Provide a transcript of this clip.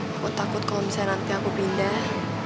aku takut kalau misalnya nanti aku pindah